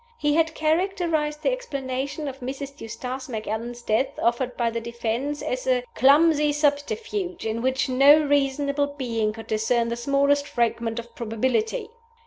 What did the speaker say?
He had characterized the explanation of Mrs. Eustace Macallan's death offered by the defense as a "clumsy subterfuge, in which no reasonable being could discern the smallest fragment of probability."